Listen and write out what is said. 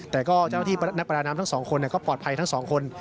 แต่ก็เจ้าหน้านักประดาน้ำทั้ง๒คนก็ปลอดภัยละ๒คน